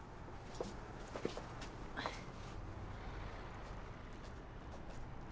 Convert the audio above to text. はい。